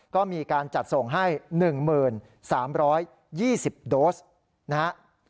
ก็มีการจัดส่งให้๑๓๒๐โดสนะฮะ